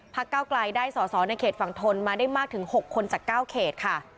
เก้าไกลได้สอสอในเขตฝั่งทนมาได้มากถึง๖คนจาก๙เขตค่ะ